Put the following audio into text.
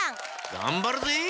がんばるぜ！